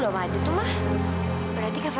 ya saya sendiri tante